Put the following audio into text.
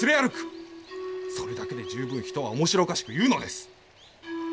それだけで十分人は面白おかしく言うのです。